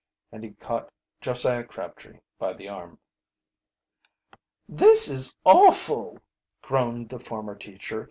And he caught Josiah Crabtree by the arm. "This is awful!" groaned the former teacher.